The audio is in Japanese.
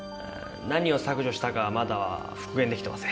何を削除したかまだ復元出来てません。